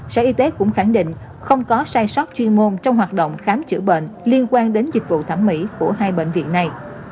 sở y tế cũng khẳng định không có sai sót chuyên môn trong hoạt động khám chữa bệnh liên quan đến dịch vụ thẩm mỹ của hai bệnh viện này